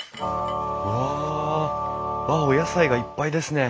わああっお野菜がいっぱいですね。